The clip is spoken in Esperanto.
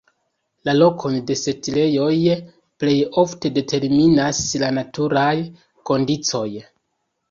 La lokon de setlejoj plej ofte determinas la naturaj kondiĉoj.